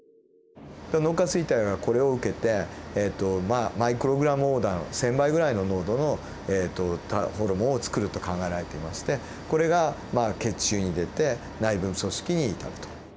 脳下垂体がこれを受けてまあマイクログラムオーダーの１，０００倍ぐらいの濃度のホルモンをつくると考えられていましてこれがまあ血中に出て内分泌組織に至ると。